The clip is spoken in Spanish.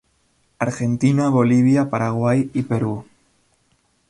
Argentina, Bolivia, Paraguay y Perú.